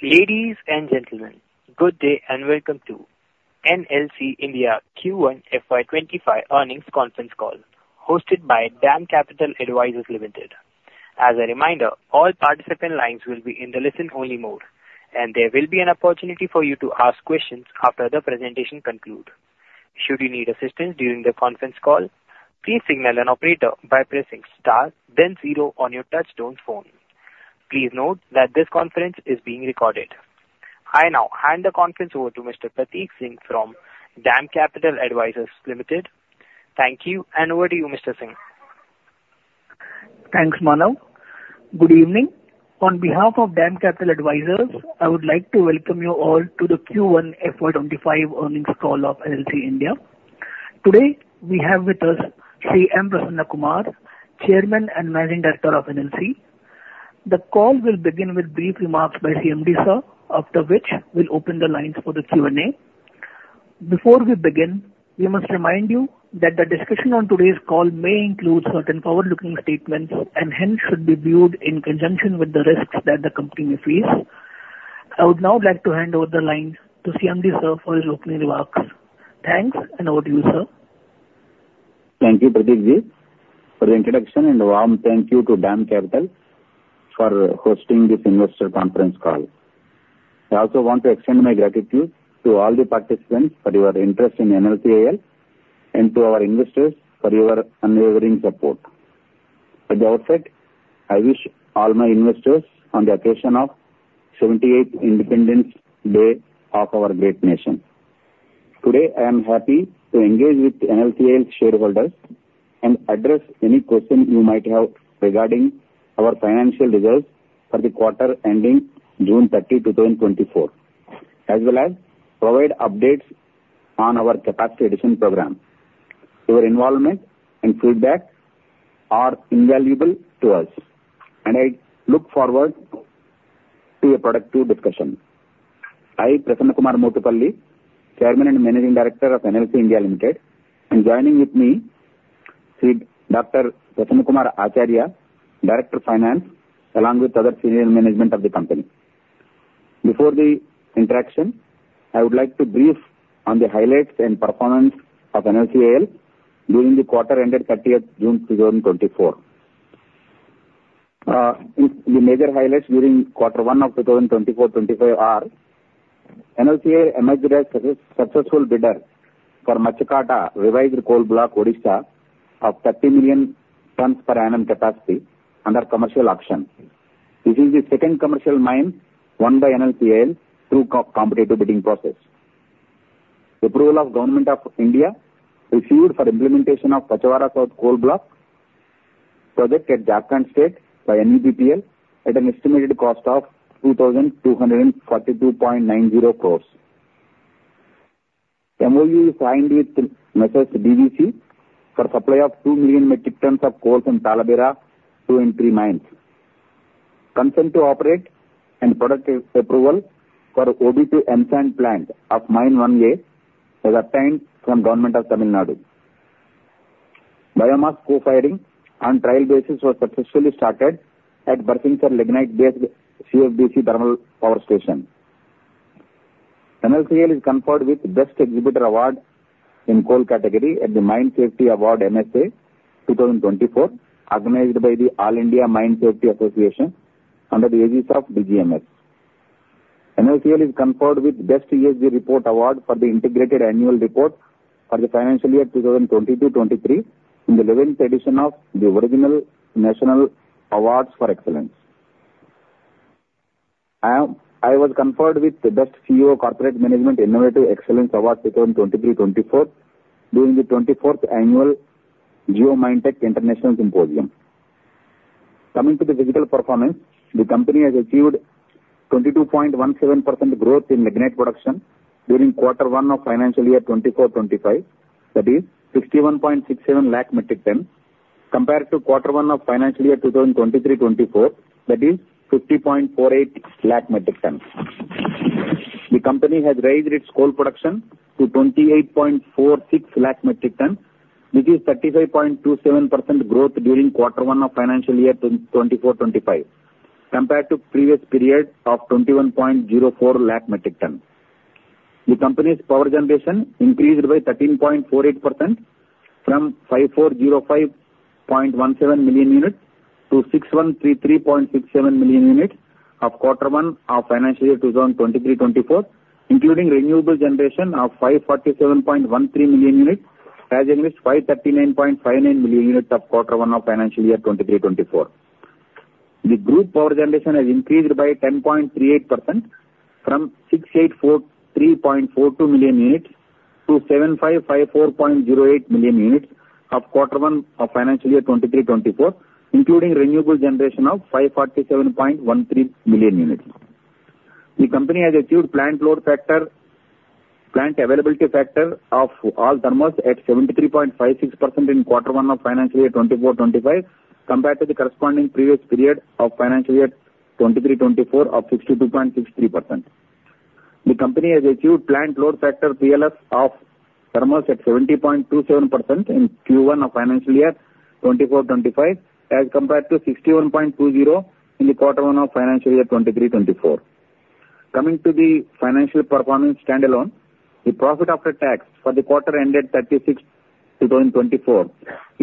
Ladies and gentlemen, good day, and welcome to NLC India Q1 FY 2025 earnings conference call, hosted by Dam Capital Advisors Limited. As a reminder, all participant lines will be in the listen-only mode, and there will be an opportunity for you to ask questions after the presentation conclude. Should you need assistance during the conference call, please signal an operator by pressing star then zero on your touchtone phone. Please note that this conference is being recorded. I now hand the conference over to Mr. Prateek Singh from Dam Capital Advisors Limited. Thank you, and over to you, Mr. Singh. Thanks, Manav. Good evening. On behalf of Dam Capital Advisors, I would like to welcome you all to the Q1 FY 2025 earnings call of NLC India. Today, we have with us C. M. Prasanna Kumar, Chairman and Managing Director of NLC. The call will begin with brief remarks by CMD, sir, after which we'll open the lines for the Q&A. Before we begin, we must remind you that the discussion on today's call may include certain forward-looking statements, and hence should be viewed in conjunction with the risks that the company may face. I would now like to hand over the line to CMD, sir, for his opening remarks. Thanks, and over to you, sir. Thank you, Prateek Ji, for the introduction, and a warm thank you to Dam Capital for hosting this investor conference call. I also want to extend my gratitude to all the participants for your interest in NLCIL and to our investors for your unwavering support. At the outset, I wish all my investors on the occasion of 78th Independence Day of our great nation. Today, I am happy to engage with NLCIL shareholders and address any questions you might have regarding our financial results for the quarter ending June 30, 2024, as well as provide updates on our capacity addition program. Your involvement and feedback are invaluable to us, and I look forward to a productive discussion. I, Prasanna Kumar Motupalli, Chairman and Managing Director of NLC India Limited, and joining with me is Dr. Ratan Kumar Acharya, Director of Finance, along with other senior management of the company. Before the interaction, I would like to brief on the highlights and performance of NLCIL during the quarter ended 30th June 2024. The major highlights during quarter 1 of 2024-2025 are: NLCIL emerged as a successful bidder for Machhakata revised coal block Odisha of 30 million tons per annum capacity under commercial auction. This is the second commercial mine won by NLCIL through competitive bidding process. Approval of Government of India received for implementation of Pachwara South coal block project at Jharkhand State by NUPPL at an estimated cost of 2,242.90 crore. MoU signed with M/s DVC for supply of 2 million metric tons of coal from Talabira two and three mines. Consent to operate and product approval for ODP expansion plant of Mine-1A was obtained from Government of Tamil Nadu. Biomass co-firing on trial basis was successfully started at Barsingsar Lignite-based CFBC Thermal Power Station. NLCIL is conferred with Best Exhibitor Award in coal category at the Mine Safety Award, MSA, 2024, organized by the All India Mine Safety Association under the aegis of DGMS. NLCIL is conferred with Best ESG Report Award for the integrated annual report for the financial year 2022-2023, in the 11th edition of the Original National Awards for Excellence. I was conferred with the Best CEO Corporate Management Innovative Excellence Award, 2023-2024, during the 24th Annual Geo Minetech International Symposium. Coming to the operational performance, the company has achieved 22.17% growth in lignite production during quarter one of financial year 2024-2025. That is 61.67 lakh metric ton, compared to quarter 1 of financial year 2023-2024, that is 50.48 lakh metric ton. The company has raised its coal production to 28.46 lakh metric ton, which is 35.27% growth during quarter 1 of financial year 2024-2025, compared to previous period of 21.04 lakh metric ton. The company's power generation increased by 13.48% from 5,405.17 million units to 6,133.67 million units of quarter 1 of financial year 2023-2024, including renewable generation of 547.13 million units, as against 539.59 million units of quarter 1 of financial year 2023-2024. The group power generation has increased by 10.38% from 6,843.42 million units to 7,554.08 million units of quarter one of financial year 2023-2024, including renewable generation of 547.13 million units. The company has achieved plant load factor... plant availability factor of all thermals at 73.56% in quarter one of financial year 2024-2025, compared to the corresponding previous period of financial year 2023-2024, of 62.63%....The company has achieved plant load factor, PLF, of thermals at 70.27% in Q1 of financial year 2024-2025, as compared to 61.20 in the quarter one of financial year 2023-2024. Coming to the financial performance standalone, the profit after tax for the quarter ended 31st, 2024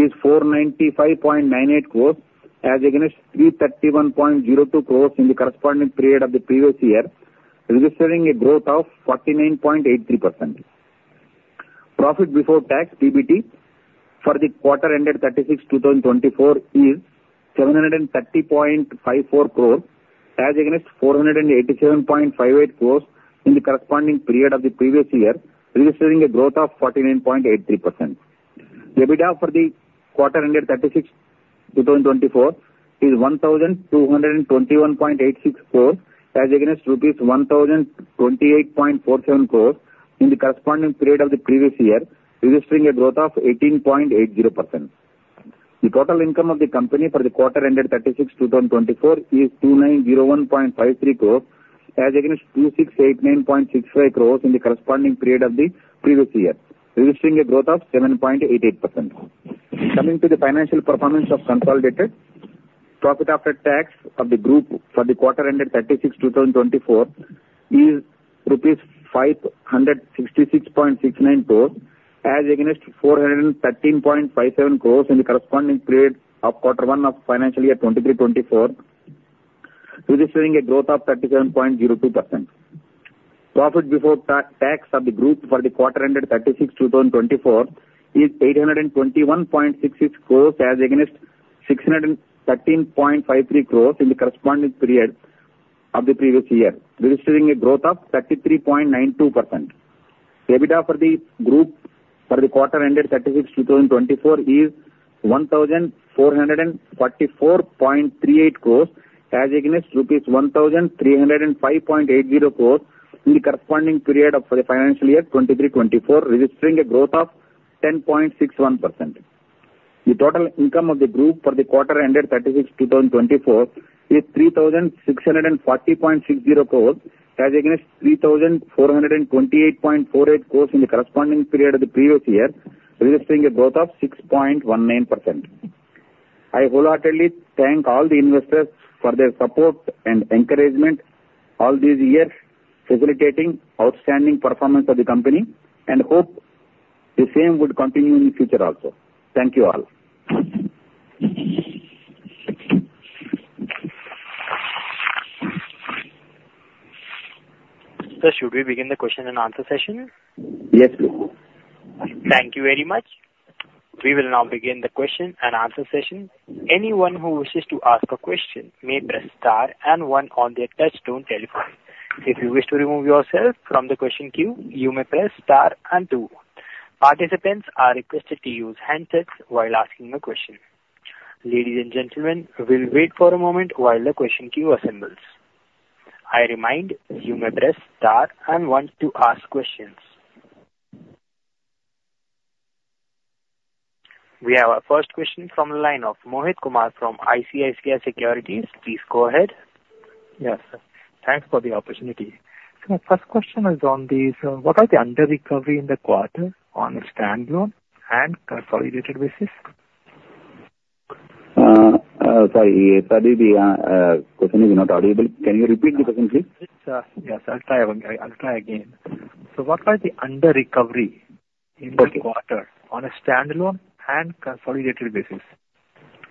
is 495.98 crores, as against 331.02 crores in the corresponding period of the previous year, registering a growth of 49.83%. Profit before tax, PBT, for the quarter ended 31st, 2024 is rupees 730.54 crores, as against 487.58 crores in the corresponding period of the previous year, registering a growth of 49.83%. EBITDA for the quarter ended 31st, 2024, is 1,221.86 crores, as against rupees 1,028.47 crores in the corresponding period of the previous year, registering a growth of 18.80%. The total income of the company for the quarter ended 30th June 2024 is 2,901.53 crores, as against 2,689.65 crores in the corresponding period of the previous year, registering a growth of 7.88%. Coming to the financial performance of consolidated, profit after tax of the group for the quarter ended 30th June 2024 is rupees 566.69 crores, as against 413.57 crores in the corresponding period of quarter one of financial year 2023-2024, registering a growth of 37.02%. Profit before tax of the group for the quarter ended thirtieth, 2024, is 821.66 crores, as against 613.53 crores in the corresponding period of the previous year, registering a growth of 33.92%. EBITDA for the group for the quarter ended 30th, 2024, is 1,444.38 crores, as against rupees 1,305.80 crores in the corresponding period of the financial year 2023-2024, registering a growth of 10.61%. The total income of the group for the quarter ended 30th, 2024, is 3,640.60 crores, as against 3,428.48 crores in the corresponding period of the previous year, registering a growth of 6.19%. I wholeheartedly thank all the investors for their support and encouragement all these years, facilitating outstanding performance of the company, and hope the same will continue in the future also. Thank you, all. Sir, should we begin the question and answer session? Yes, please. Thank you very much. We will now begin the question and answer session. Anyone who wishes to ask a question may press star and one on their touchtone telephone. If you wish to remove yourself from the question queue, you may press star and two. Participants are requested to use handsets while asking a question. Ladies and gentlemen, we'll wait for a moment while the question queue assembles. I remind you may press star and one to ask questions. We have our first question from the line of Mohit Kumar from ICICI Securities. Please go ahead. Yes, thanks for the opportunity. So my first question is on the under recovery in the quarter on a standalone and consolidated basis? Sorry, sorry, the question is not audible. Can you repeat the question, please? Yes, yes, I'll try again, I'll try again. So what are the under recovery-in the quarter on a standalone and consolidated basis?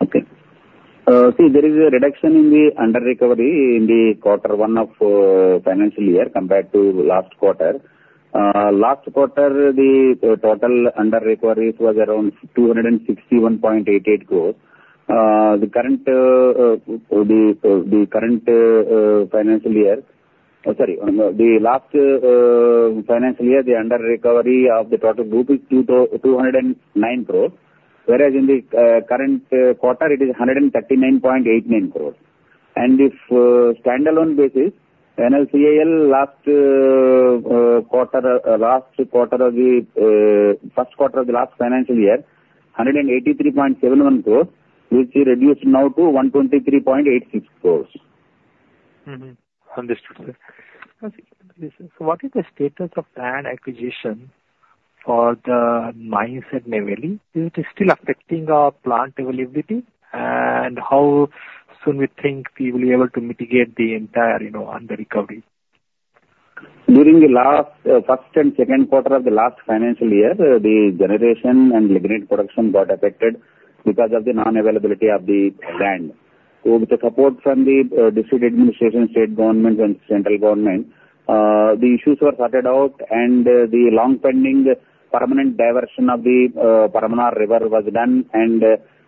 Okay. See, there is a reduction in the under recovery in the quarter one of financial year compared to last quarter. Last quarter, the total under recovery was around 261.88 crores. The current financial year... Sorry, the last financial year, the under recovery of the total group is 2,209 crores, whereas in the current quarter, it is 139.89 crores. And if standalone basis, NLCIL, last quarter of the first quarter of the last financial year, 183.71 crores, which reduced now to 123.86 crores. Mm-hmm. Understood, sir. So what is the status of land acquisition for the mine at Neyveli? Is it still affecting our plant availability, and how soon we think we will be able to mitigate the entire, you know, under recovery? During the last first and second quarter of the last financial year, the generation and lignite production got affected because of the non-availability of the land. With the support from the district administration, state government and central government, the issues were sorted out and the long-pending permanent diversion of the Paravanar River was done, and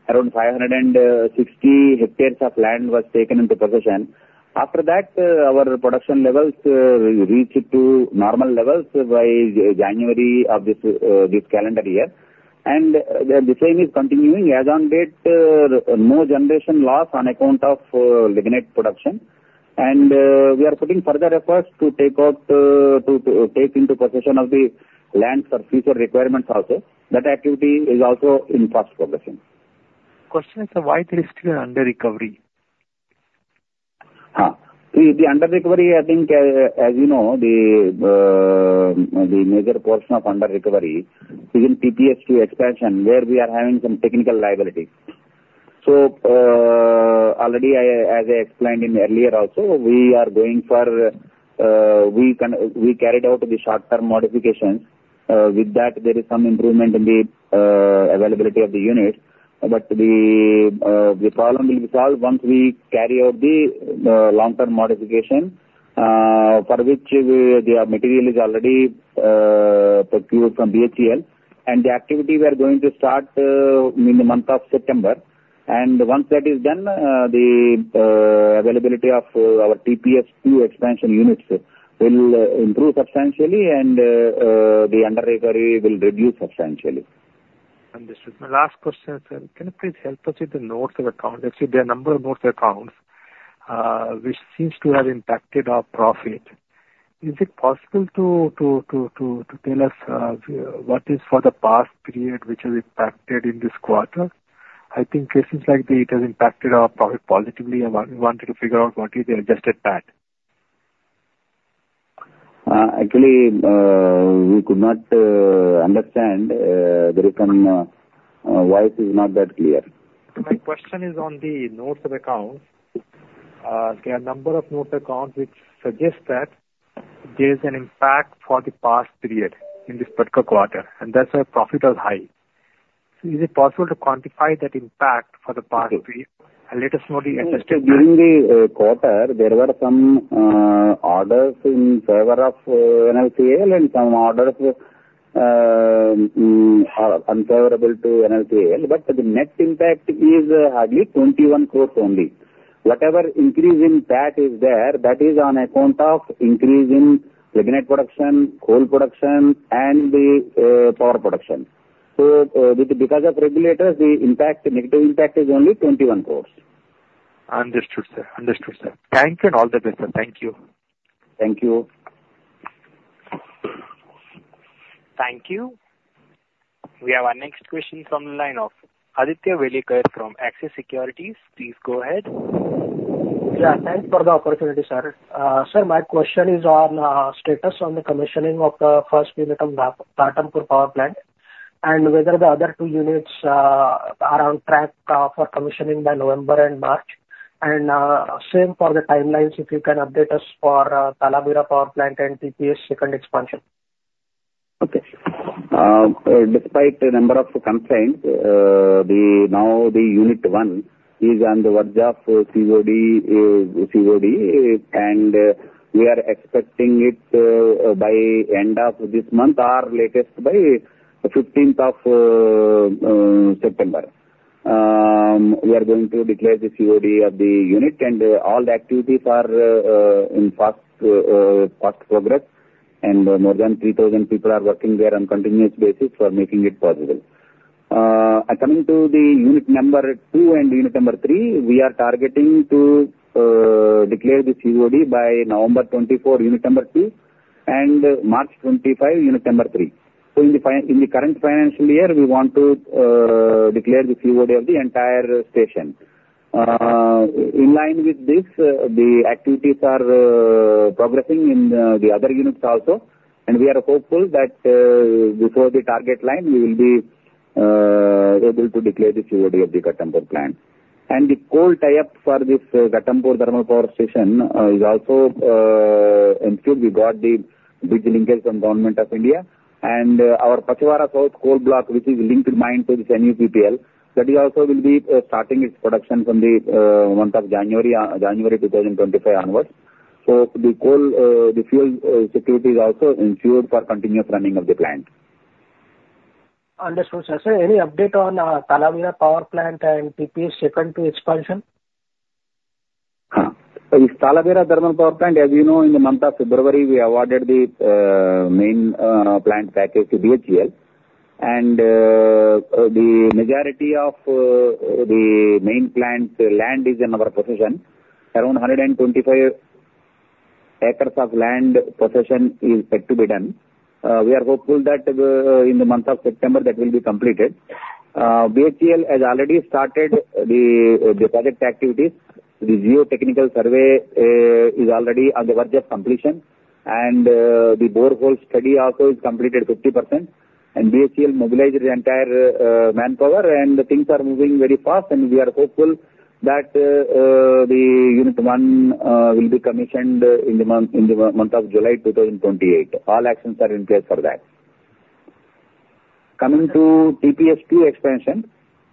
around 560 hectares of land was taken into possession. After that, our production levels reached to normal levels by January of this calendar year. The same is continuing. As on date, no generation loss on account of lignite production, and we are putting further efforts to take into possession of the lands for future requirements also. That activity is also in fast progression.... Question is, sir, why it is still under recovery? The under recovery, I think, as you know, the major portion of under recovery is in TPS-II expansion, where we are having some technical liability. So, already I, as I explained in earlier also, we are going for, we carried out the short-term modifications. With that, there is some improvement in the availability of the unit, but the problem will be solved once we carry out the long-term modification, for which the material is already procured from BHEL. And the activity we are going to start in the month of September. And once that is done, the availability of our TPS-II expansion units will improve substantially and the under recovery will reduce substantially. Understood. My last question, sir: Can you please help us with the notes of account? Actually, there are a number of notes accounts, which seems to have impacted our profit. Is it possible to tell us what is for the past period, which is impacted in this quarter? I think cases like that, it has impacted our profit positively, and I wanted to figure out what is the adjusted PAT. Actually, we could not understand. There is some... voice is not that clear. My question is on the notes of accounts. There are number of note accounts which suggest that there is an impact for the past period in this particular quarter, and that's why profit was high. So is it possible to quantify that impact for the past period? During the quarter, there were some orders in favor of NLCIL and some orders are unfavorable to NLCIL, but the net impact is hardly 21 crore only. Whatever increase in PAT is there, that is on account of increase in lignite production, coal production, and the power production. So, with because of regulators, the impact, the negative impact is only 21 crore. Understood, sir. Understood, sir. Thank you, and all the best, sir. Thank you. Thank you. Thank you. We have our next question from the line of Aditya Welekar from Axis Securities. Please go ahead. Yeah, thanks for the opportunity, sir. Sir, my question is on status on the commissioning of the first unit of Ghatampur Power Plant, and whether the other two units are on track for commissioning by November and March. And same for the timelines, if you can update us for Talabira Power Plant and TPS second expansion. Okay. Despite the number of constraints, the unit one is on the verge of COD, and we are expecting it by end of this month or latest by 15th of September. We are going to declare the COD of the unit, and all the activities are in fast progress, and more than 3,000 people are working there on continuous basis for making it possible. And coming to the unit number two and unit number three, we are targeting to declare the COD by November 2024, unit number two, and March 2025, unit number three. So in the current financial year, we want to declare the COD of the entire station. In line with this, the activities are progressing in the other units also, and we are hopeful that, before the target line, we will be able to declare the COD of the Ghatampur plant. The coal tie-up for this Ghatampur Thermal Power Station is also ensured. We got the bridge linkage from Government of India. Our Pachwara South coal block, which is linked mine to this new NUPPL, that is also will be starting its production from the month of January 2025 onwards. The coal, the fuel, security is also ensured for continuous running of the plant. Understood, sir. Sir, any update on Talabira Power Plant and TPS-II Expansion? This Talabira Thermal Power Plant, as you know, in the month of February, we awarded the main plant package to BHEL. The majority of the main plant land is in our possession. Around 125 acres of land possession is set to be done. We are hopeful that in the month of September, that will be completed. BHEL has already started the project activities. The geotechnical survey is already on the verge of completion, and the borehole study also is completed 50%. BHEL mobilized the entire manpower, and things are moving very fast, and we are hopeful that the unit one will be commissioned in the month of July 2028. All actions are in place for that. Coming to TPS-II expansion,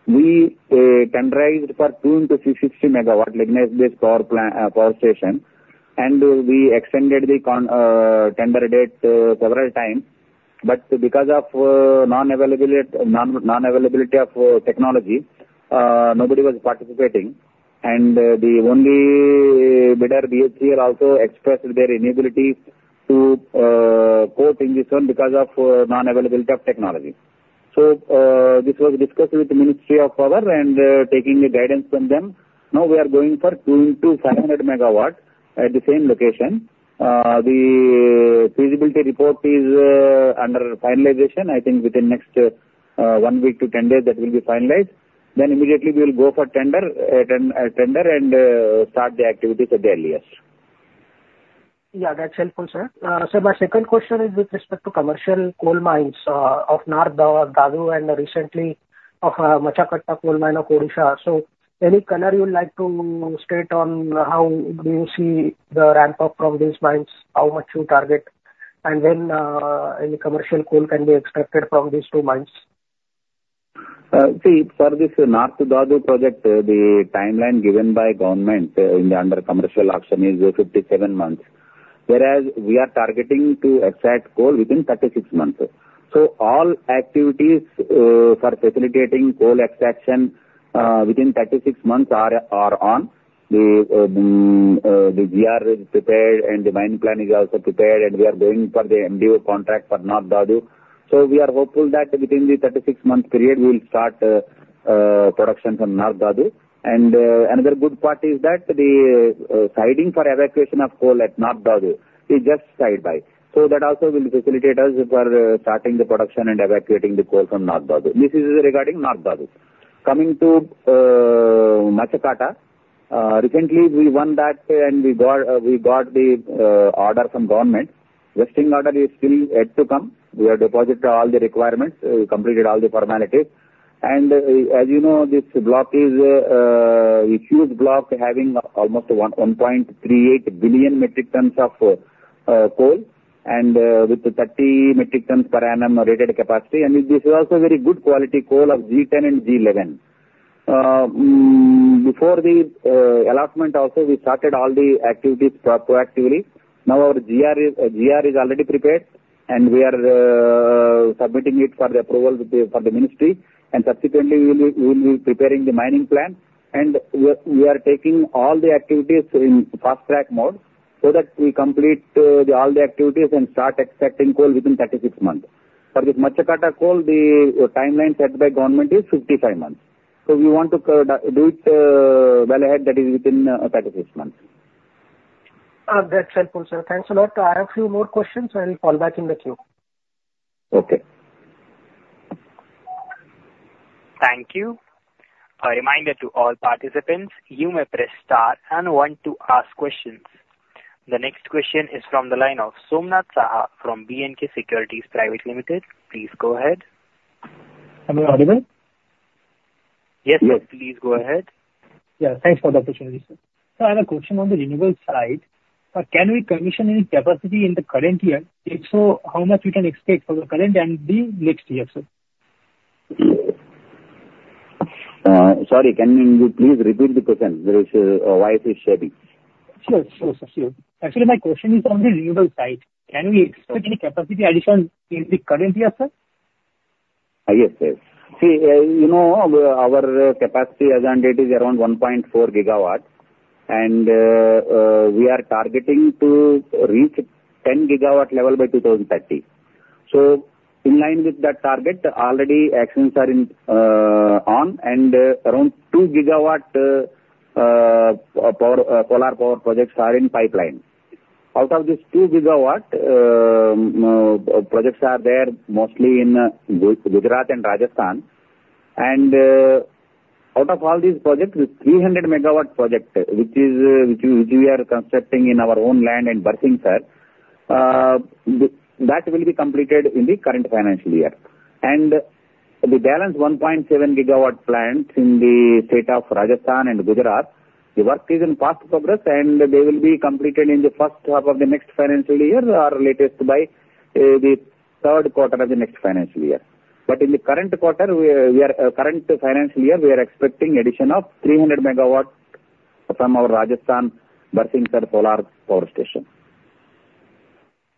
we tenderized for 2 x 660 MW lignite-based power station, and we extended the tender date several times, but because of non-availability of technology, nobody was participating. The only bidder, BHEL, also expressed their inability to quote in this one because of non-availability of technology. So this was discussed with the Ministry of Power, and taking the guidance from them, now we are going for 2 x 700 MW at the same location. The feasibility report is under finalization. I think within the next 1 week to 10 days, that will be finalized. Then immediately we will go for tender and start the activities at the earliest. Yeah, that's helpful, sir. So my second question is with respect to commercial coal mines of North Dhadu, and recently of Machhakata Coal Mine of Odisha. So any color you would like to state on how do you see the ramp up from these mines, how much you target, and when any commercial coal can be expected from these two mines? See, for this North Dhadu project, the timeline given by government under commercial auction is 57 months. Whereas we are targeting to extract coal within 36 months. So all activities for facilitating coal extraction within 36 months are on. The GR is prepared, and the mine plan is also prepared, and we are going for the MDO contract for North Dhadu. So we are hopeful that within the 36-month period, we will start production from North Dhadu. And, another good part is that the siding for evacuation of coal at North Dhadu is just side by. So that also will facilitate us for starting the production and evacuating the coal from North Dhadu. This is regarding North Dhadu. Coming to Machhakata, recently, we won that, and we got the order from government. Vesting order is still yet to come. We have deposited all the requirements, we completed all the formalities. And, as you know, this block is a huge block having almost 1.38 billion metric tons of coal, and with 30 metric tons per annum rated capacity. And this is also very good quality coal of G10 and G11. Before the allotment, also, we started all the activities proactively. Now, our GR is already prepared, and we are submitting it for the approval with the, for the ministry. And subsequently, we will be preparing the mining plan. We are taking all the activities in fast-track mode so that we complete all the activities and start extracting coal within 36 months. For this Machhakata coal, the timeline set by government is 55 months. We want to do it well ahead, that is within 36 months. That's helpful, sir. Thanks a lot. I have a few more questions. I will fall back in the queue. Okay. Thank you. A reminder to all participants, you may press star and one to ask questions. The next question is from the line of Somnath Saha from B&K Securities Service Ltd. Please go ahead. Am I audible? Yes, yes. Please go ahead. Yeah, thanks for the opportunity, sir. So I have a question on the renewable side. Can we commission any capacity in the current year? If so, how much we can expect for the current and the next year, sir? Sorry, can you please repeat the question? The voice is shaky. Sure. Actually, my question is on the renewable side. Can we expect any capacity addition in the current year, sir? Yes, yes. See, you know, our capacity as on date is around 1.4 GW, and we are targeting to reach 10 GW level by 2030. So in line with that target, already actions are in, on, and around 2 GW power solar power projects are in pipeline. Out of this 2 GW, projects are there mostly in Gujarat and Rajasthan. And out of all these projects, the 300 MW project, which is, which we, which we are constructing in our own land in Barsingsar, that will be completed in the current financial year. The balance 1.7 GW plants in the state of Rajasthan and Gujarat, the work is in fast progress, and they will be completed in the first half of the next financial year, or latest by the third quarter of the next financial year. But in the current quarter, current financial year, we are expecting addition of 300 MW from our Rajasthan Barsingsar Solar Power Station.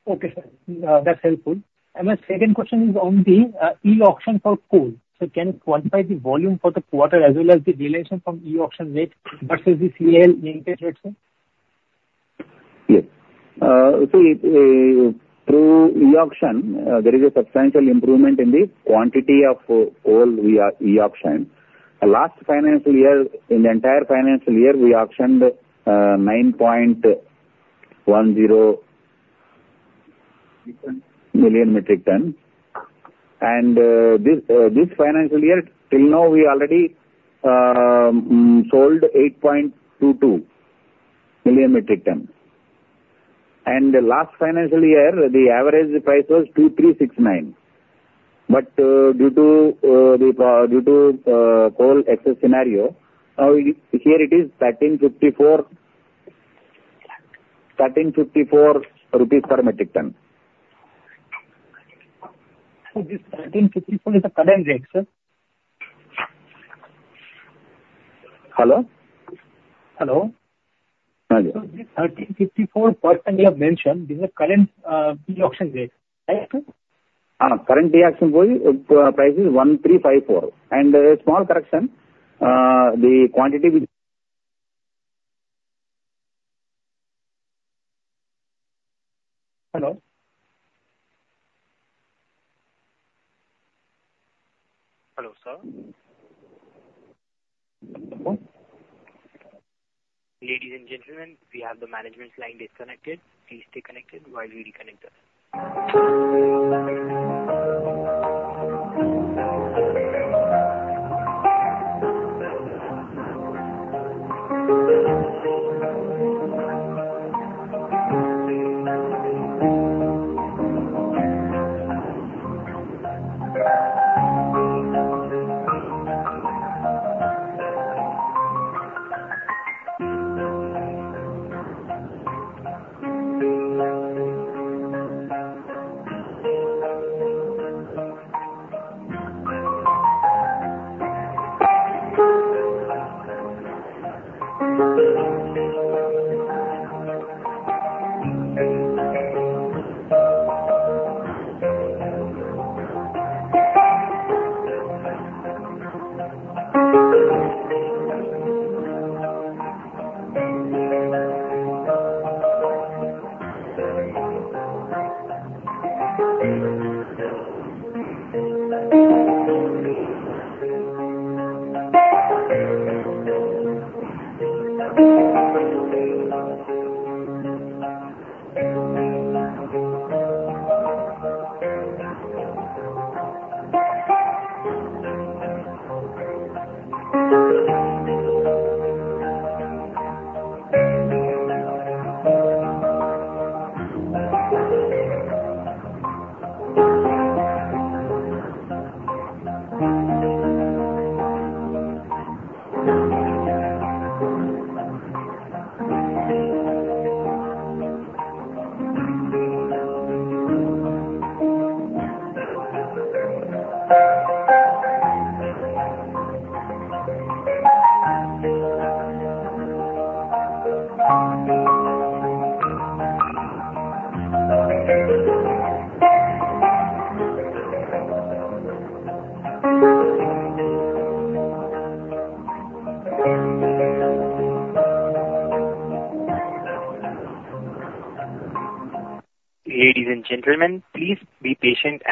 Okay, sir. That's helpful. And my second question is on the e-auction for coal. So can you quantify the volume for the quarter as well as the relation from e-auction rate versus the CL maintained rates, sir? Yes. So, through e-auction, there is a substantial improvement in the quantity of coal we are e-auction. Last financial year, in the entire financial year, we auctioned 9.10 million metric tons. This financial year, till now, we already sold 8.22 million metric tons. The last financial year, the average price was 2,369. But due to the coal excess scenario, here it is 1,354, 1,354 rupees per metric ton. This 1,354 is the current rate, sir? Hello? Hello. Hi. This 1,354% you have mentioned is the current e-auction rate, right, sir? Current E-auction price is 1,354. A small correction, the quantity with- Hello? Hello, sir. Hello. Ladies and gentlemen, we have the management line disconnected. Please stay connected while we reconnect them.... Ladies and gentlemen, please be patient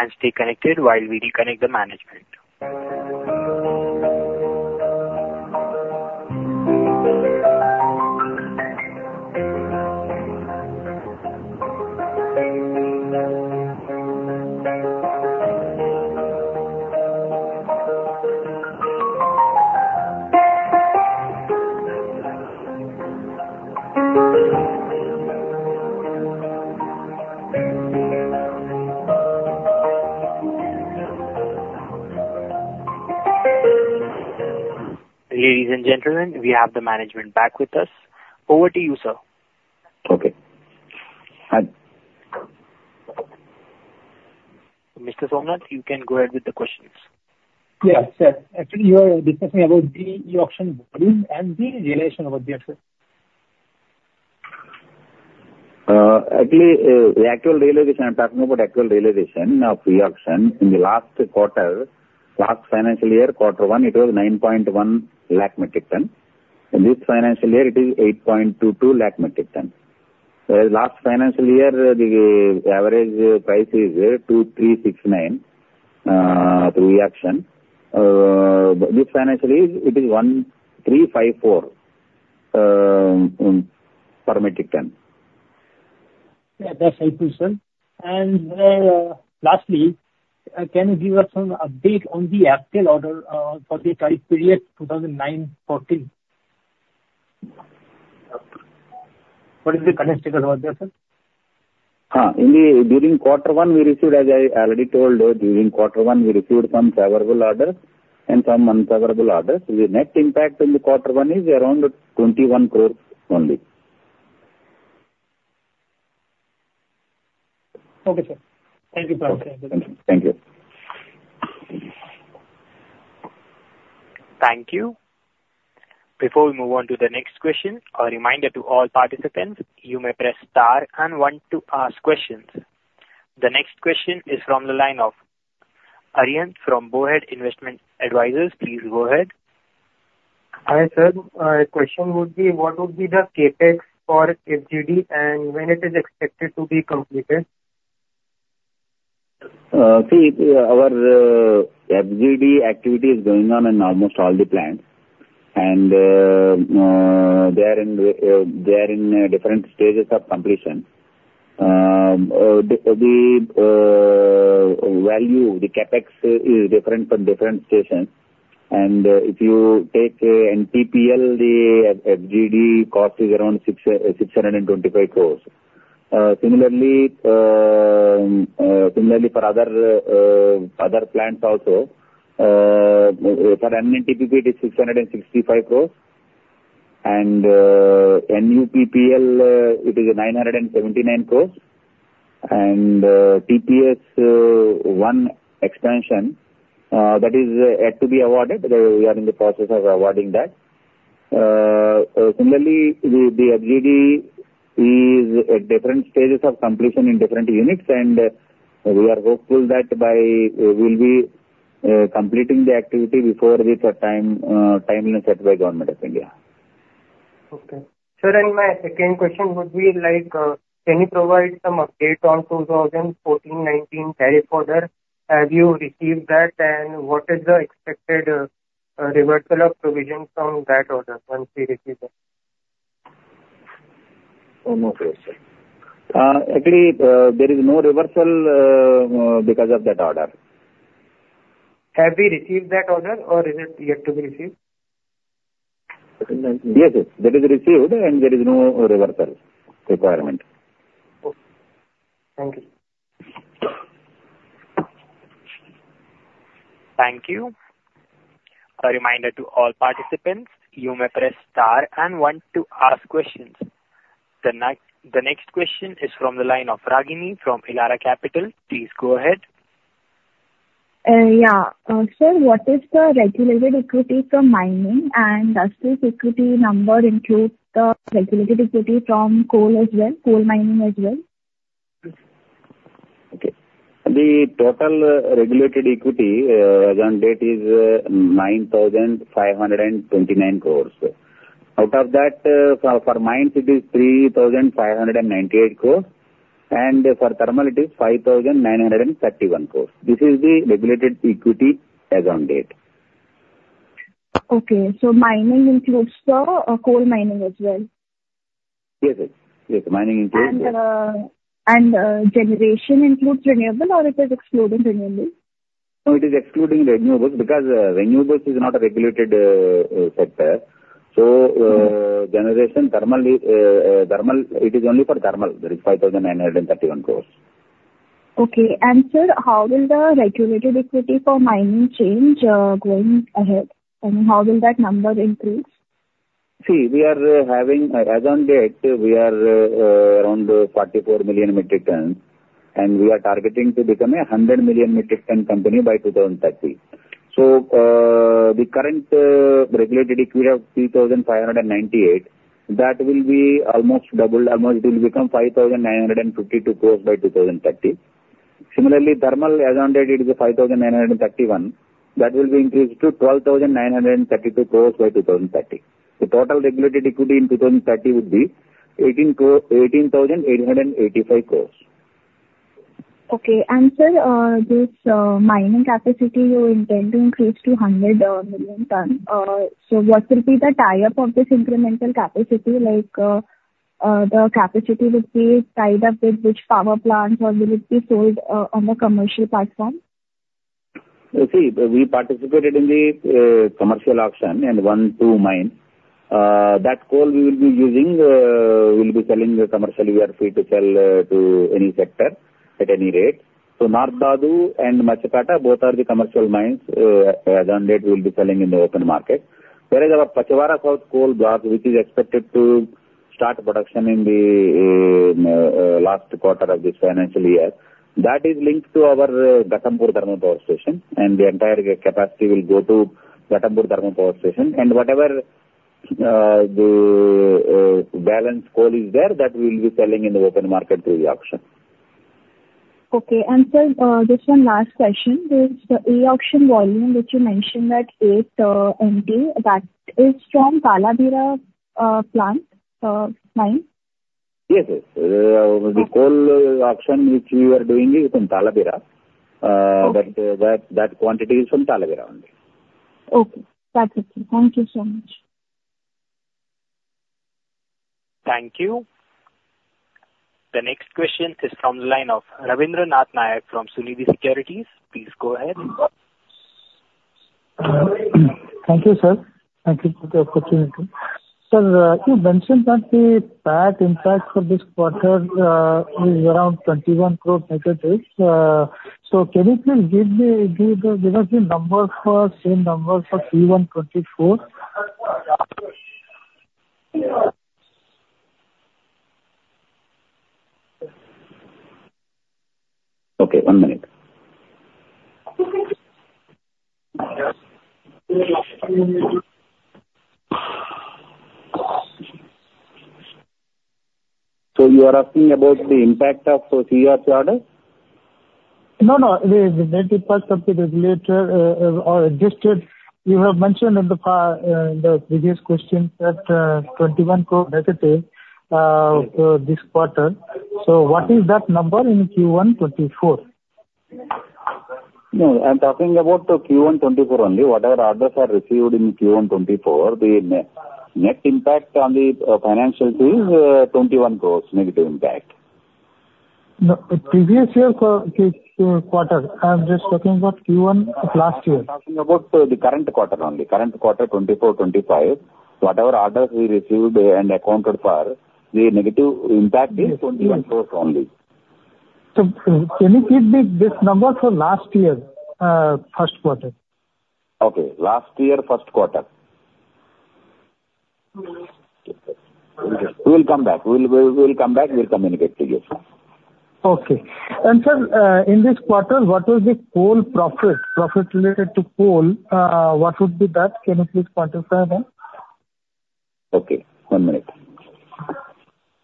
and stay connected while we reconnect the management. Ladies and gentlemen, we have the management back with us. Over to you, sir. Okay. Hi. Mr. Somnath, you can go ahead with the questions. Yeah, sure. Actually, you are discussing about the e-auction volume and the realization about the asset. Actually, the actual realization, I'm talking about actual realization of e-auction. In the last quarter, last financial year, quarter one, it was 9.1 lakh metric ton. In this financial year, it is 8.22 lakh metric ton. Whereas last financial year, the average price is 2,369 through e-auction. This financial year, it is 1,354 per metric ton. Yeah, that's helpful, sir. And, lastly, can you give us some update on the actual order for the current period, 2009-14? What is the current figure about that, sir? During quarter one, we received, as I already told, during quarter one, we received some favorable orders and some unfavorable orders. The net impact in quarter one is around 21 crore only. Okay, sir. Thank you, sir. Thank you. Thank you. Before we move on to the next question, a reminder to all participants, you may press star and One to ask questions. The next question is from the line of Arian from [Bohai] Investment Advisors. Please go ahead. Hi, sir. My question would be, what would be the CapEx for FGD, and when it is expected to be completed? See, our FGD activity is going on in almost all the plants, and they are in different stages of completion. The value, the CapEx is different from different stations, and if you take NTPL, the FGD cost is around 625 crores. Similarly, for other plants also, for NNTPP, it is 665 crores, and NUPPL, it is 979 crores. And TPS I expansion, that is yet to be awarded. We are in the process of awarding that. Similarly, the FGD is at different stages of completion in different units, and we are hopeful that by... We'll be completing the activity before the timeline set by Government of India. Okay. Sir, and my second question would be like, can you provide some update on 2014-2019 tariff order? Have you received that, and what is the expected, reversal of provisions from that order once you receive that?... Oh, no pressure. Actually, there is no reversal, because of that order. Have we received that order or is it yet to be received? Yes, yes, that is received, and there is no reversal requirement. Okay. Thank you. Thank you. A reminder to all participants, you may press star and one to ask questions. The next question is from the line of Ragini from Elara Capital. Please go ahead. Yeah. Sir, what is the Regulated Equity from mining, and does this equity number include the Regulated Equity from coal as well, coal mining as well? Okay. The total regulated equity as on date is 9,529 crore. Out of that, for mines, it is 3,598 crore, and for thermal, it is 5,931 crore. This is the regulated equity as on date. Okay, so mining includes the coal mining as well? Yes, yes. Yes, mining includes- Generation includes renewable or it is excluding renewable? No, it is excluding renewables, because renewables is not a regulated sector. So, thermal generation, it is only for thermal. There is 5,931 crore. Okay. And sir, how will the regulated equity for mining change, going ahead, and how will that number increase? See, we are having, as on date, we are, around 44 million metric tons, and we are targeting to become a 100 million metric ton company by 2030. So, the current, regulated equity of 3,598 crores, that will be almost double. Almost it will become 5,952 crores by 2030. Similarly, thermal, as on date, it is 5,931 crores. That will be increased to 12,932 crores by 2030. The total regulated equity in 2030 would be 18,885 crores. Okay. Sir, this mining capacity you are intending to increase to 100 million tons. So what will be the tie-up of this incremental capacity, like, the capacity will be tied up with which power plant or will it be sold on the commercial platform? See, we participated in the commercial auction and won two mines. That coal we will be using, we'll be selling commercially. We are free to sell to any sector at any rate. So North Dhadu and Machhakata, both are the commercial mines, as on date, we'll be selling in the open market. Whereas our Pachwara South coal block, which is expected to start production in the last quarter of this financial year, that is linked to our Ghatampur Thermal Power Station, and the entire capacity will go to Ghatampur Thermal Power Station. And whatever the balance coal is there, that we will be selling in the open market through the auction. Okay. Sir, just one last question. There is the e-auction volume, which you mentioned that 8 MT, that is from Talabira plant, mine? Yes, yes. The coal auction, which we are doing, is from Talabira, but that, that quantity is from Talabira only. Okay. That's it, sir. Thank you so much. Thank you. The next question is from the line of Ravindra Nath Nayak from Sunidhi Securities. Please go ahead. Thank you, sir. Thank you for the opportunity. Sir, you mentioned that the bad impact for this quarter is around 21 crore. So can you please give us the same numbers for Q1 2024? Okay, one minute. So you are asking about the impact of the CR order? No, no, the negative impact of the regulator, or adjusted. You have mentioned in the previous question that, negative INR 21 crore, this quarter. So what is that number in Q1 2024? No, I'm talking about the Q1 2024 only. Whatever orders are received in Q1 2024, the net impact on the financial is 21 crore negative impact. No, the previous year for quarter. I'm just talking about Q1 of last year. I'm talking about the current quarter only. Current quarter, 2024-2025. Whatever orders we received and accounted for, the negative impact is INR 21 crore only. Can you please give this number for last year, first quarter? Okay. Last year, first quarter. We'll come back. We'll communicate to you. Okay. And sir, in this quarter, what is the coal profit, profit related to coal? What would be that? Can you please quantify that? Okay, one minute.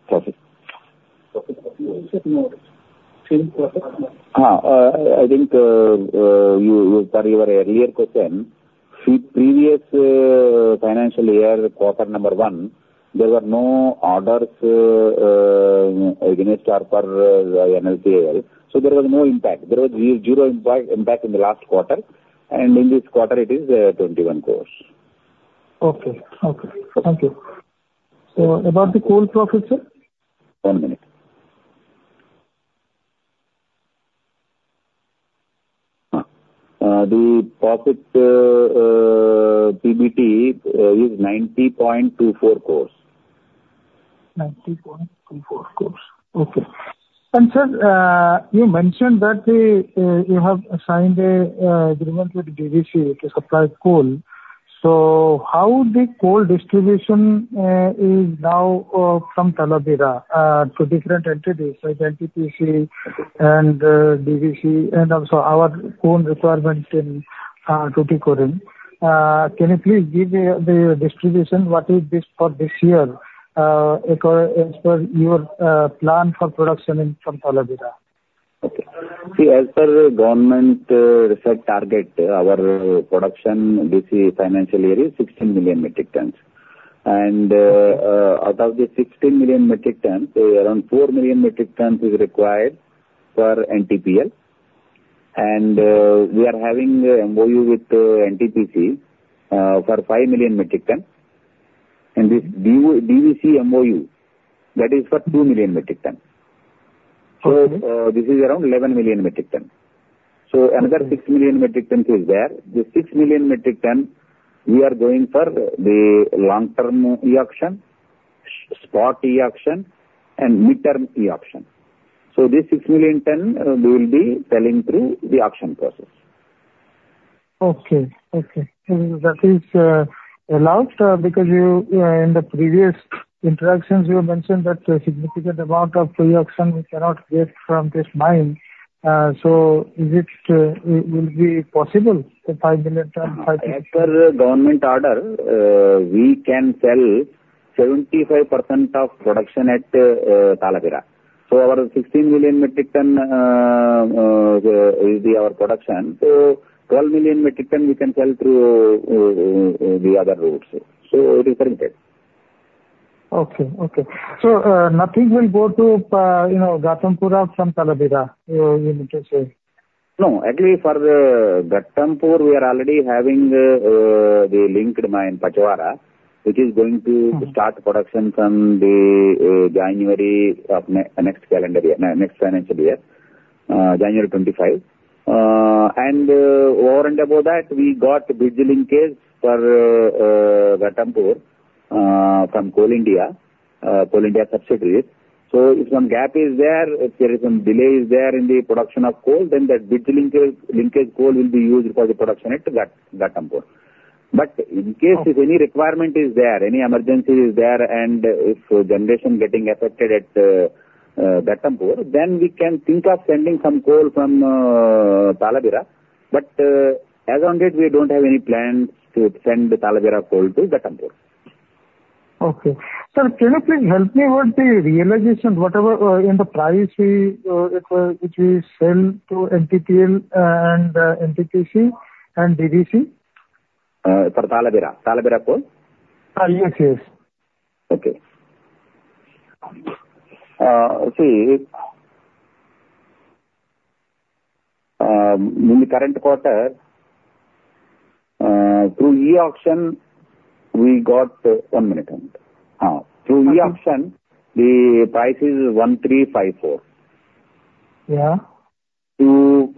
Profit. I think, for your earlier question, previous financial year, quarter number one, there were no orders against our NLCIL. So there was no impact. There was zero impact in the last quarter, and in this quarter it is 21 crore. Okay. Okay, thank you. So about the coal profit, sir? One minute. The profit, PBT, is 90.24 crore. 90.24 crore. Okay. And sir, you mentioned that you have signed an agreement with DVC to supply coal. So how is the coal distribution now from Talabira to different entities like NTPC and DVC, and also our own requirement in Tuticorin. Can you please give the distribution, what is this for this year, as per your plan for production from Talabira? Okay. See, as per government set target, our production this financial year is 16 million metric tons. And, out of the 16 million metric tons, around 4 million metric tons is required for NTPL. And, we are having a MoU with NTPC, for 5 million metric ton. And this DVC MoU, that is for 2 million metric ton. Okay. So, this is around 11 million metric tons. So another 6 million metric tons is there. The 6 million metric tons, we are going for the long-term e-auction, spot e-auction, and mid-term e-auction. So this 6 million tons, we will be selling through the auction process. Okay, okay. And that is allowed because you, in the previous interactions you mentioned that a significant amount of pre-auction we cannot get from this mine. So is it, will, will be possible, the 5 million ton five- As per government order, we can sell 75% of production at Talabira. So our 16 million metric ton will be our production. So 12 million metric ton we can sell through the other routes. So it is permitted. Okay, okay. So, nothing will go to, you know, Ghatampur from Talabira, you need to say? No, actually, for the Ghatampur, we are already having the linked mine, Pachwara, which is going to start production from the January of next calendar year, next financial year, January 25. And over and above that, we got bridge linkage for Ghatampur from Coal India subsidiaries. So if some gap is there, if there is some delay is there in the production of coal, then that bridge linkage linkage coal will be used for the production at Ghatampur. But in case if any requirement is there, any emergency is there, and if generation getting affected at Ghatampur, then we can think of sending some coal from Talabira. But as on date, we don't have any plans to send the Talabira coal to Ghatampur. Okay. Sir, can you please help me with the realization, whatever, in the price we, if, which we sell to NTPL, and NTPC and DVC? For Talabira? Talabira Coal? Yes, yes. Okay. See, in the current quarter, through e-auction, we got... One minute. Through e-auction, the price is 1,354. Yeah. To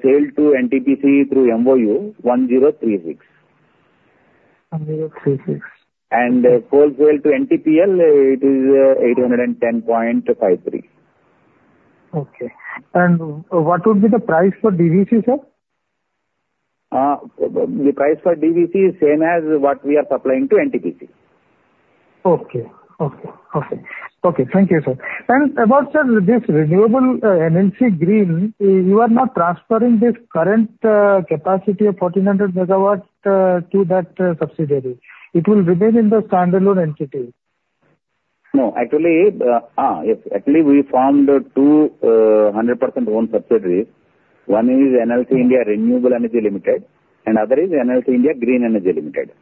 sell to NTPC through MOU, 1036. 1036. And coal sale to NTPL, it is 810.53. Okay. What would be the price for DVC, sir? The price for DVC is same as what we are supplying to NTPC. Okay. Okay. Okay. Okay, thank you, sir. And about, sir, this renewable, NLC Green, you are not transferring this current capacity of 1400 MW to that subsidiary. It will remain in the standalone entity. No, actually, yes, actually, we formed two 100% owned subsidiaries. One is NLC India Renewable Energy Limited, and other is NLC India Green Energy Limited.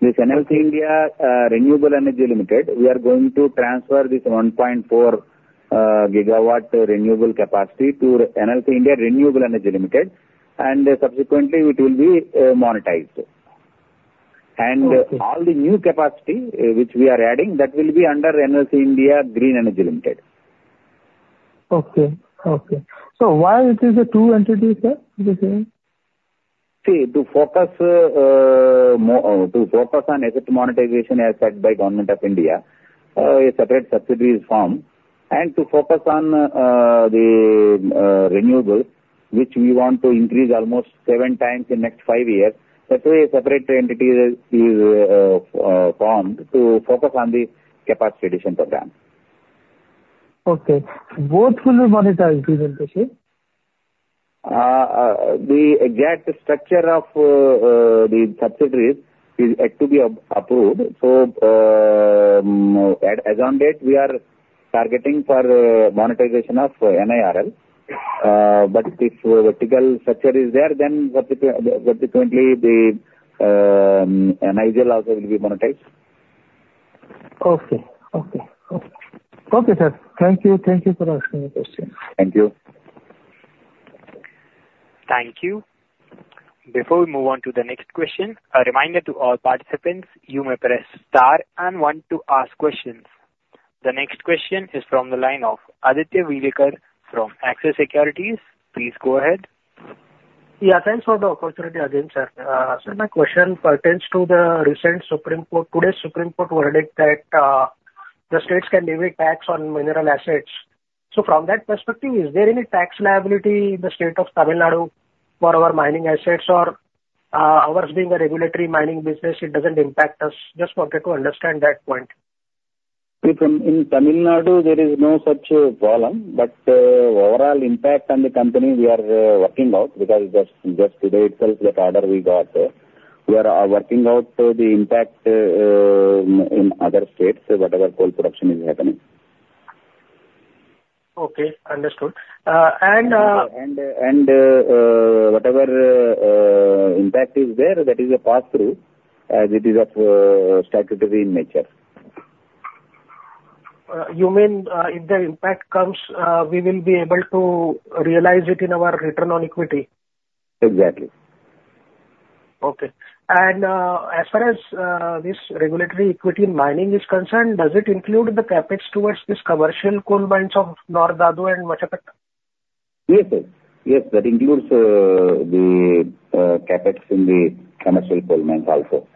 This NLC India Renewable Energy Limited, we are going to transfer this 1.4 GW renewable capacity to NLC India Renewable Energy Limited, and subsequently it will be monetized. Okay. All the new capacity, which we are adding, that will be under NLC India Green Energy Limited. Okay, okay. So why it is a two entity, sir? Do you see? See, to focus on asset monetization, as said by Government of India, a separate subsidiary is formed. And to focus on the renewable, which we want to increase almost seven times in next five years, that's why a separate entity is formed to focus on the capacity addition program. Okay. Both will be monetized, we will proceed? The exact structure of the subsidiaries is yet to be approved. So, as on date, we are targeting for monetization of NIREL.... But if vertical structure is there, then whatever currently the NIGEL also will be monetized. Okay. Okay, okay. Okay, sir. Thank you. Thank you for answering the question. Thank you. Thank you. Before we move on to the next question, a reminder to all participants, you may press star and one to ask questions. The next question is from the line of Aditya Welekar from Axis Securities. Please go ahead. Yeah, thanks for the opportunity again, sir. So my question pertains to the recent Supreme Court. Today's Supreme Court verdict that, the states can levy tax on mineral assets. So from that perspective, is there any tax liability in the state of Tamil Nadu for our mining assets, or, ours being a regulatory mining business, it doesn't impact us? Just wanted to understand that point. See, from in Tamil Nadu, there is no such problem, but overall impact on the company, we are working out because just, just today itself, that order we got. We are working out the impact in other states, whatever coal production is happening. Okay, understood. Whatever impact is there, that is a pass-through, as it is of statutory nature. You mean, if the impact comes, we will be able to realize it in our return on equity? Exactly. Okay. And, as far as this regulatory equity in mining is concerned, does it include the CapEx towards this commercial coal mines of North Dhadu and Machhakata? Yes, sir. Yes, that includes the CapEx in the commercial coal mine also.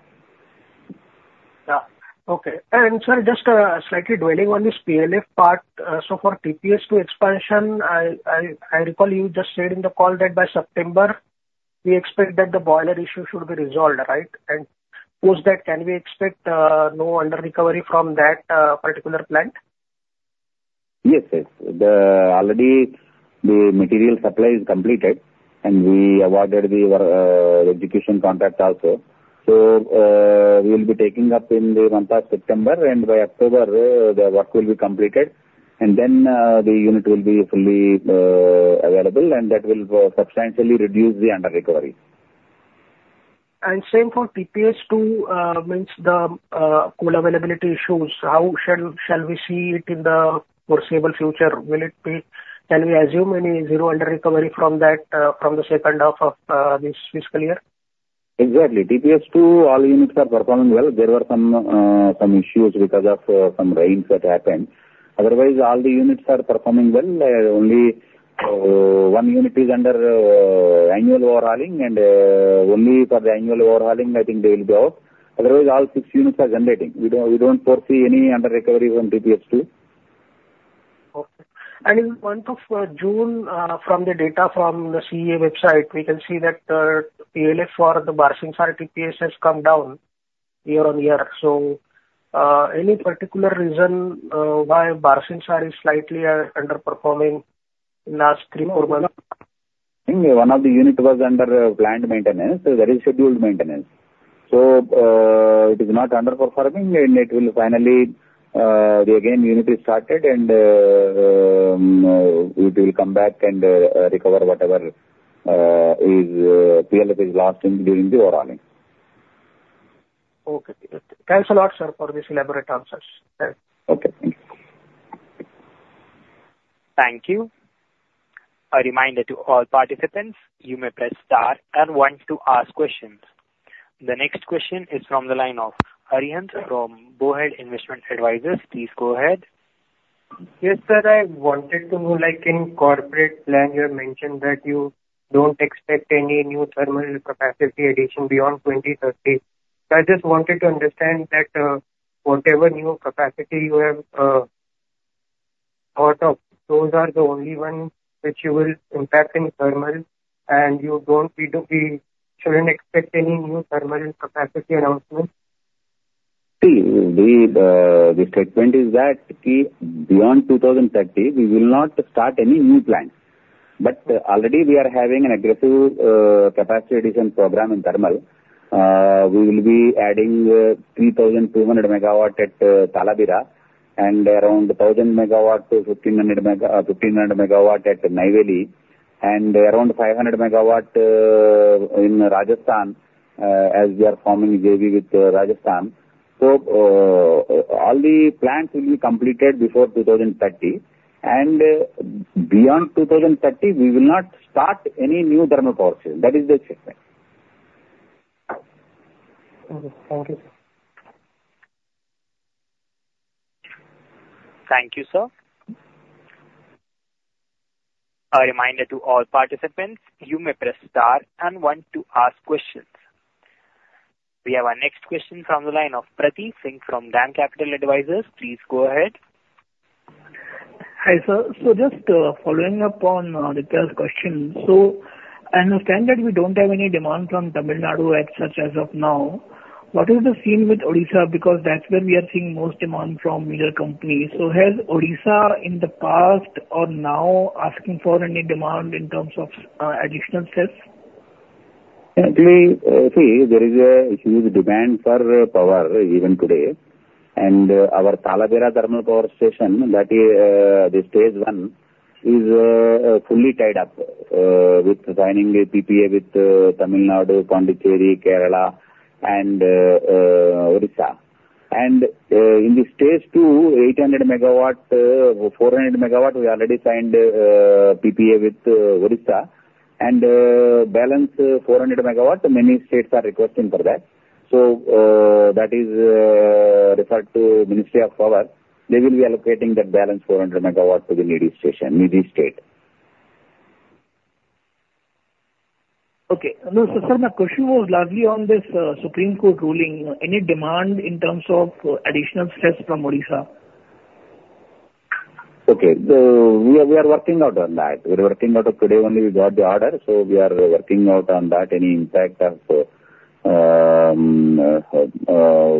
Yeah. Okay. And sorry, just, slightly dwelling on this PLF part. So for TPS to expansion, I recall you just said in the call that by September, we expect that the boiler issue should be resolved, right? And post that, can we expect no under recovery from that particular plant? Yes, yes. The already the material supply is completed, and we awarded the execution contract also. So, we will be taking up in the month of September, and by October, the work will be completed, and then, the unit will be fully available, and that will substantially reduce the under recovery. And same for TPS two, means the coal availability issues. How shall we see it in the foreseeable future? Will it be... Can we assume any zero under recovery from that, from the second half of this fiscal year? Exactly. TPS two, all units are performing well. There were some, some issues because of, some rains that happened. Otherwise, all the units are performing well. Only, one unit is under, annual overhauling, and, only for the annual overhauling, I think they will be out. Otherwise, all six units are generating. We don't, we don't foresee any under recovery from TPS two. Okay. And in month of June, from the data from the CEA website, we can see that, PLF for the Barsingsar TPS has come down year-on-year. So, any particular reason, why Barsingsar is slightly, underperforming in last three, four months? One of the unit was under plant maintenance. So that is scheduled maintenance. So, it is not underperforming, and it will finally, the again, unit is started and, it will come back and, recover whatever, is, PLF is lost in during the overhauling. Okay. Thanks a lot, sir, for this elaborate answers. Okay. Thank you. Thank you. A reminder to all participants, you may press star and one to ask questions. The next question is from the line of Arian from Bohai Investment Advisors. Please go ahead. Yes, sir, I wanted to know, like in corporate plan, you have mentioned that you don't expect any new thermal capacity addition beyond 2030. So I just wanted to understand that, whatever new capacity you have, thought of, those are the only ones which you will impact in thermal, and you don't need to be, shouldn't expect any new thermal capacity announcements? See, the statement is that beyond 2030, we will not start any new plant. But already we are having an aggressive capacity addition program in thermal. We will be adding 3,200 MW at Talabira, and around a thousand MW, fifteen hundred mega, 1500 MW at Neyveli, and around 500 MW in Rajasthan, as we are forming JV with Rajasthan. So, all the plants will be completed before 2030, and beyond 2030, we will not start any new thermal power station. That is the statement. Okay. Thank you, sir. Thank you, sir. A reminder to all participants, you may press star and one to ask questions. We have our next question from the line of Prateek Singh from Dam Capital Advisors. Please go ahead. Hi, sir. So just, following up on, the last question. So I understand that we don't have any demand from Tamil Nadu as such, as of now. What is the scene with Odisha? Because that's where we are seeing most demand from mineral companies. So has Odisha, in the past or now, asking for any demand in terms of, additional sales? Actually, see, there is a huge demand for power even today, and our Talabira thermal power station, that is, the stage one, is fully tied up with signing a PPA with Tamil Nadu, Pondicherry, Kerala, and Odisha. And in the stage two, 800 MW, 400 MW, we already signed PPA with Odisha, and balance 400 MW, many states are requesting for that. So, that is referred to Ministry of Power. They will be allocating that balance 400 MW to the needy station, needy state. Okay. No, so sir, my question was largely on this, Supreme Court ruling. Any demand in terms of additional stress from Odisha? Okay. So we are, we are working out on that. We are working out. Today only we got the order, so we are working out on that. Any impact of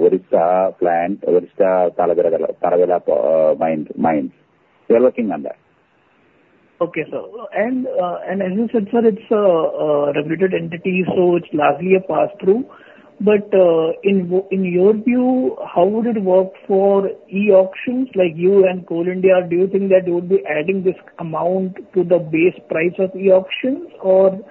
Odisha plant, Odisha Talabira, Talabira mines, mines. We are working on that. Okay, sir. And as you said, sir, it's a regulated entity, so it's largely a pass-through. But in your view, how would it work for e-auctions like you and Coal India? Do you think that you would be adding this amount to the base price of e-auctions, or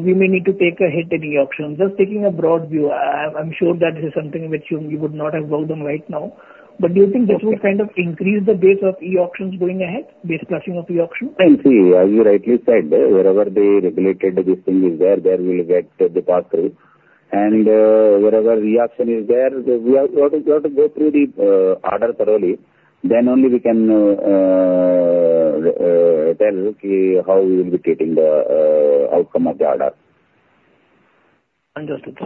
we may need to take a hit in e-auction? Just taking a broad view. I'm sure that this is something which you would not have worked on right now. But do you think this would kind of increase the base of e-auctions going ahead, base pricing of e-auction? And see, as you rightly said, wherever the regulated system is there, there we'll get the pass-through. And, wherever E-auction is there, we have to go through the order thoroughly, then only we can tell, okay, how we will be getting the outcome of the order. Understood,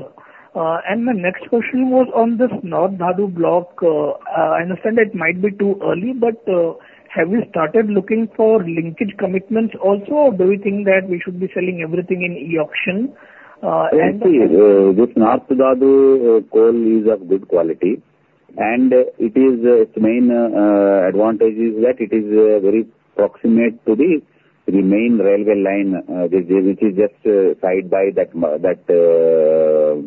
sir. My next question was on this North Dhadu block. I understand it might be too early, but have you started looking for linkage commitments also, or do you think that we should be selling everything in e-auction? And- See, this North Dhadu coal is of good quality, and it is, its main advantage is that it is very proximate to the main railway line, which is just side by that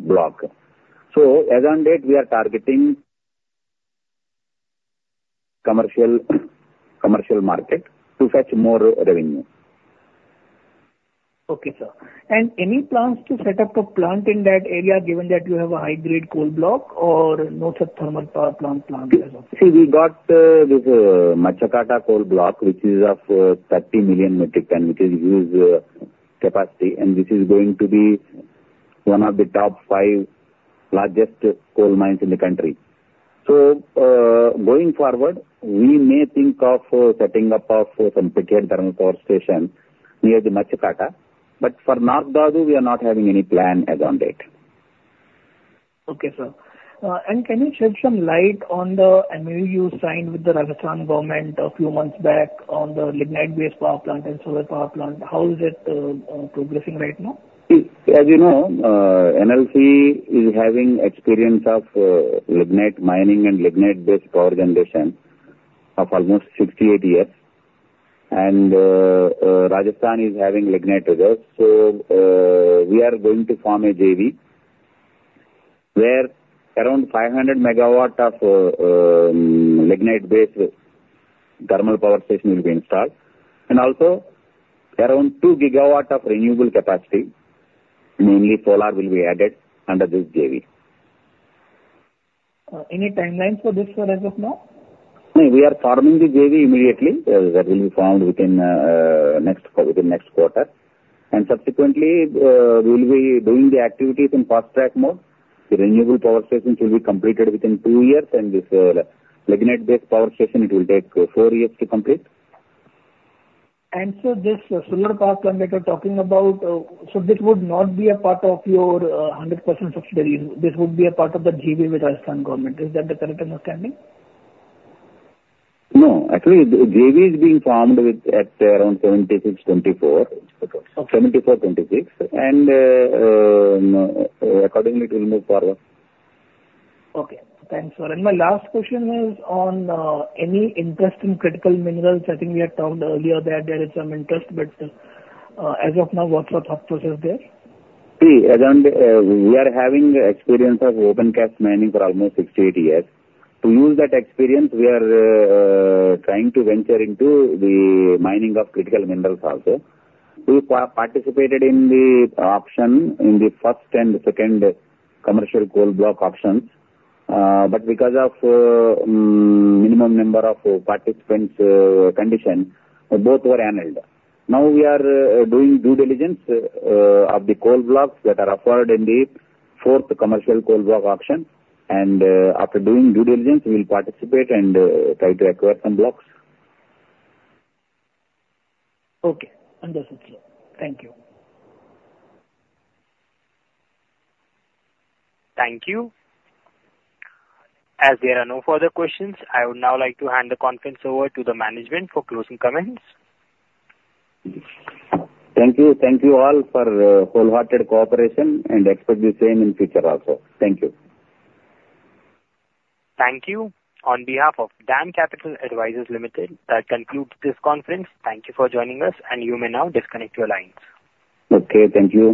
block. So as on date, we are targeting commercial market to fetch more revenue. Okay, sir. Any plans to set up a plant in that area, given that you have a high-grade coal block or no such thermal power plant planned as of now? See, we got this Machhakata coal block, which is of 30 million metric ton, which is huge capacity, and this is going to be one of the top five largest coal mines in the country. So, going forward, we may think of setting up of some pithead thermal power station near the Machhakata, but for North Dhadu, we are not having any plan as on date. Okay, sir. And can you shed some light on the MOU signed with the Rajasthan government a few months back on the lignite-based power plant and solar power plant? How is it progressing right now? See, as you know, NLC is having experience of lignite mining and lignite-based power generation of almost 68 years. And, Rajasthan is having lignite with us. So, we are going to form a JV, where around 500 MW of lignite-based thermal power station will be installed. And also, around 2 GW of renewable capacity, mainly solar, will be added under this JV. Any timelines for this, sir, as of now? We are forming the JV immediately. That will be formed within next quarter. And subsequently, we'll be doing the activities in fast-track mode. The renewable power stations will be completed within 2 years, and this, lignite-based power station, it will take 4 years to complete. And so this solar power plant that you're talking about, so this would not be a part of your 100% subsidiary? This would be a part of the JV with Rajasthan government. Is that the correct understanding? No, actually, the JV is being formed with at around 76-24. 74-26, and accordingly, it will move forward. Okay. Thanks, sir. My last question is on any interest in critical minerals. I think we had talked earlier that there is some interest, but as of now, what's the thought process there? See, as on date, we are having experience of open cast mining for almost 68 years. To use that experience, we are trying to venture into the mining of critical minerals also. We participated in the auction in the first and second commercial coal block auctions, but because of minimum number of participants condition, both were annulled. Now we are doing due diligence of the coal blocks that are offered in the fourth commercial coal block auction. After doing due diligence, we'll participate and try to acquire some blocks. Okay. Understood, sir. Thank you. Thank you. As there are no further questions, I would now like to hand the conference over to the management for closing comments. Thank you. Thank you all for wholehearted cooperation, and expect the same in future also. Thank you. Thank you. On behalf of Dam Capital Advisors Limited, that concludes this conference. Thank you for joining us, and you may now disconnect your lines. Okay, thank you.